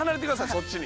そっちに。